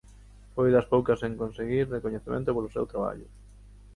Foi das poucas en conseguir recoñecemento polo seu traballo.